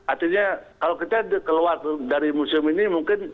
artinya kalau kita keluar dari museum ini mungkin